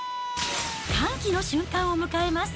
歓喜の瞬間を迎えます。